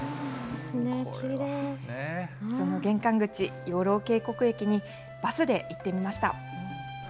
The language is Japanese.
その玄関口、養老渓谷駅にバスで行ってみました。